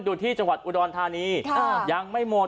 ดูที่จังหวัดอุดรธานียังไม่หมด